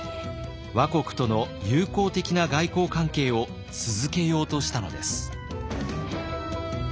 倭国との友好的な外交関係を続けようとしたのです。